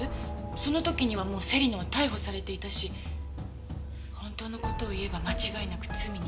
その時にはもう芹野は逮捕されていたし本当の事を言えば間違いなく罪に問えたはずです。